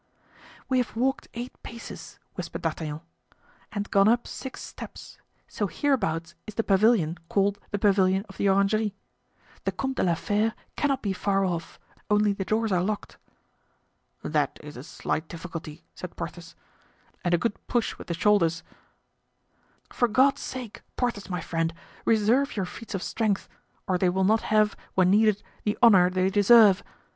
"We have walked eight paces," whispered D'Artagnan, "and gone up six steps, so hereabouts is the pavilion called the pavilion of the orangery. The Comte de la Fere cannot be far off, only the doors are locked." "That is a slight difficulty," said Porthos, "and a good push with the shoulders——" "For God's sake, Porthos my friend, reserve your feats of strength, or they will not have, when needed, the honor they deserve.